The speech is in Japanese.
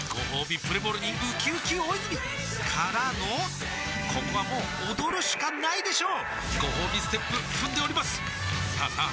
プレモルにうきうき大泉からのここはもう踊るしかないでしょうごほうびステップ踏んでおりますさあさあ